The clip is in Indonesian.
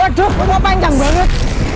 aduh bau panjang banget